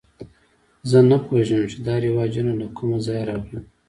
زه نه پوهېږم چې دا رواجونه له کومه ځایه راغلي.